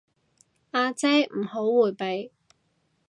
阿姐唔好迴避